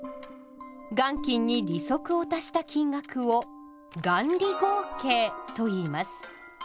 「元金」に利息を足した金額を「元利合計」といいます。